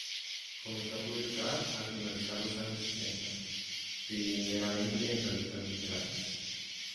Comenzó a publicar al finalizar los años sesenta, primeramente en revistas literarias.